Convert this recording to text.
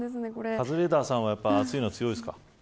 カズレーザーさんは暑いの強いですか。